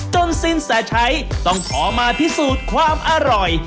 จนสิ้นแสดใจต้องยอมมาพิสูจน์ความอร่อย